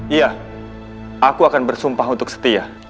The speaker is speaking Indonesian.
iya aku akan bersumpah untuk setia